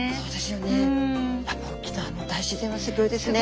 沖縄の大自然はすギョいですね